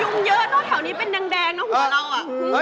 ยุ่งเยอะนอกแถวนี้เป็นแดงหัวเรา